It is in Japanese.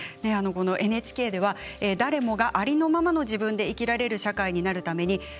ＮＨＫでは誰もがありのままの自分で生きられる社会になるために＃